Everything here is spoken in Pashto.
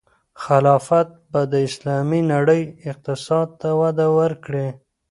خلافت به د اسلامي نړۍ اقتصاد ته وده ورکړي.